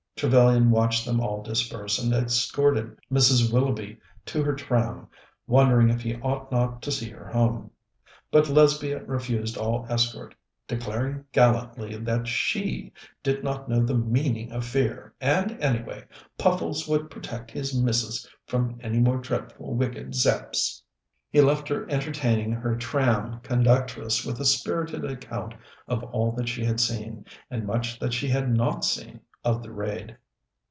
Trevellyan watched them all disperse, and escorted Mrs. Willoughby to her tram, wondering if he ought not to see her home. But Lesbia refused all escort, declaring gallantly that she did not know the meaning of fear, and, anyway, Puffles would protect his missus from any more dreadful, wicked Zepps. He left her entertaining her tram conductress with a spirited account of all that she had seen, and much that she had not seen, of the raid.